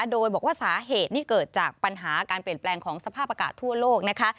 โดยบอกว่าสาเหตุนี่เกิดจากปัญหาการเปลี่ยนแปลงของสภาพอากาศทั่วโลกนะคะ